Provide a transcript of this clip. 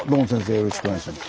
よろしくお願いします。